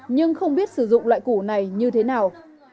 nhưng không biết sử dụng loại củ này như thế nào